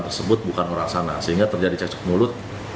tersebut bukan orang sana sehingga terjadi cecok mulut